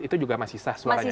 itu juga masih sah suaranya